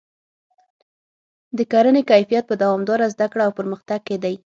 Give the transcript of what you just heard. د کرنې کیفیت په دوامداره زده کړه او پرمختګ کې دی.